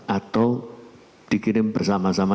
atau dikirim bersama sama